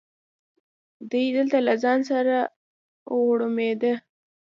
دی دلته له ځان سره غوړمبېده.